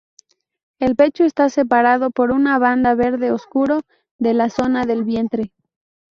El pecho está separado por una banda verde oscuro de la zona del vientre.